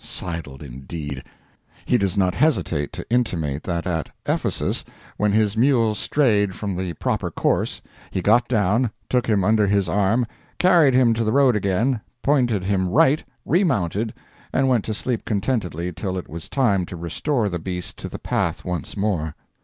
"Sidled," indeed! He does not hesitate to intimate that at Ephesus, when his mule strayed from the proper course, he got down, took him under his arm, carried him to the road again, pointed him right, remounted, and went to sleep contentedly till it was time to restore the beast to the path once more.